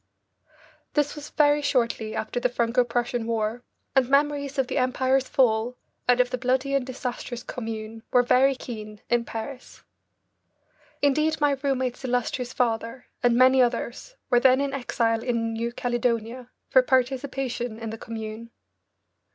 This was very shortly after the Franco Prussian War, and memories of the Empire's fall and of the bloody and disastrous Commune were very keen in Paris. Indeed my roommate's illustrious father and many others were then in exile in New Caledonia for participation in the Commune.